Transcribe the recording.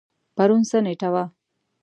پرون څه نیټه وه؟